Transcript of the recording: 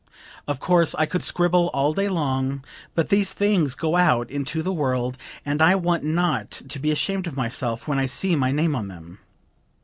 Of course I could scribble all day long, but these things go out into the world and I want not to be ashamed of myself when I see my name on them.